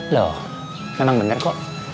loh memang bener kok